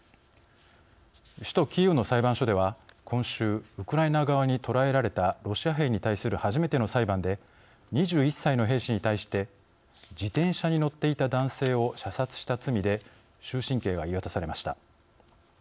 首都キーウの裁判所では、今週ウクライナ側に捕らえられたロシア兵に対する初めての裁判で２１歳の兵士に対して自転車に乗っていた男性を射殺した罪で終身刑が言い渡されました。